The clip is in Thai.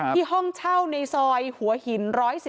ห้องเช่าในซอยหัวหิน๑๑๒